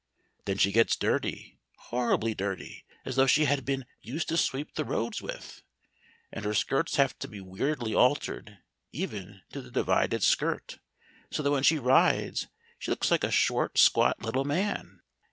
Then she gets dirty, horribly dirty, as though she had been used to sweep the roads with. And her skirts have to be weirdly altered, even to the divided skirt, so that when she rides she looks like a short, squat little man.